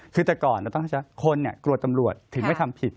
คือแต่ก่อนเราต้องใช้คนกลัวตำรวจถึงไม่ทำผิด